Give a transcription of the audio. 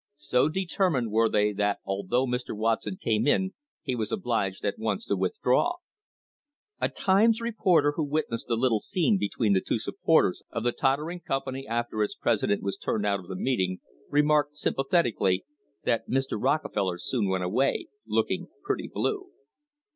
So determined were they that although Mr. Watson came in he was obliged at once to withdraw. A Times reporter who witnessed the little scene between the two supporters of the tottering com pany after its president was turned out of the meeting THE OIL WAR OF 1872 remarked sympathetically that Mr. Rockefeller soon went away, "looking pretty blue."